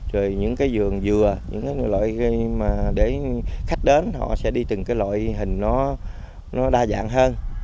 rồi những cái giường dừa những cái loại mà để khách đến họ sẽ đi từng cái loại hình nó đa dạng hơn